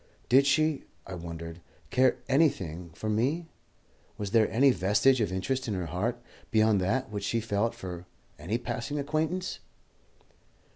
Did she, I wondered, care anything for me? Was there any vestige of interest in her heart beyond that which she felt for any passing acquaintance?